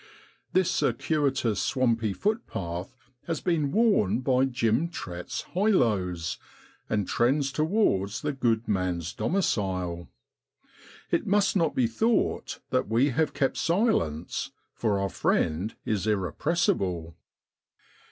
This circuitous, swampy footpath has been worn by Jim Trett's 'highlows,' and trends towards the good man's domicile. It must not be thought that we have kept silence, for our friend is irrepressible.